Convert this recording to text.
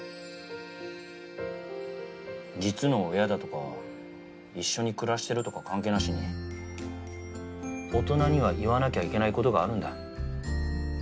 実の親だとか一緒に暮らしてるとか関係なしに大人には言わなきゃいけない事があるんだ。